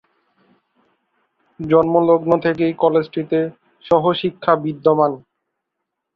জন্মলগ্ন থেকেই কলেজটিতে সহশিক্ষা বিদ্যমান।